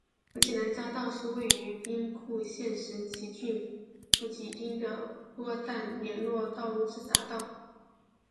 福崎南匝道是位于兵库县神崎郡福崎町的播但连络道路之匝道。